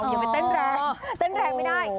อย่าไปเต้นแรงเต้นแรงไม่ได้